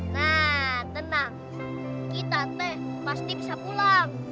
nah tenang kita teh pasti bisa pulang